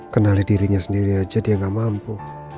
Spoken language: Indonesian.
kenali dirinya sendiri aja dia nggak mampu